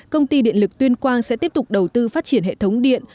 công ty điện lực tuyên quang sẽ tiếp tục đầu tư phát triển hệ thống điện